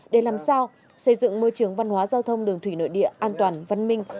để làm sao xây dựng môi trường văn hóa giao thông đường thủy nội địa an toàn văn minh